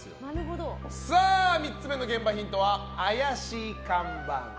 ３つ目の現場ヒントは怪しい看板。